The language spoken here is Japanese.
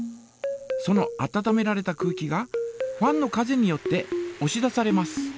その温められた空気がファンの風によっておし出されます。